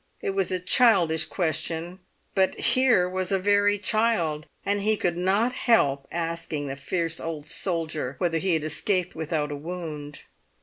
It was a childish question, but here was a very child, and he could not help asking the fierce old soldier whether he had escaped without a wound.